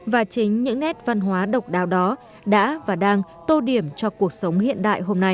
và chính những nét văn hóa độc đáo đó đã và đang tô điểm cho cuộc sống hiện đại hôm nay